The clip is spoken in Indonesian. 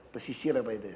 pesisir apa itu ya